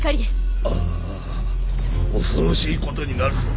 ああ恐ろしいことになるぞ。